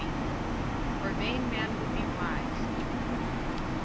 For vain man would be wise."